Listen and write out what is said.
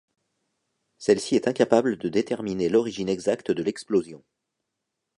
Celle-ci est incapable de déterminer l'origine exacte de l'explosion.